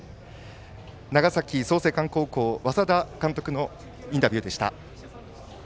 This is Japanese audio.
長崎・創成館高校稙田監督のインタビューでした。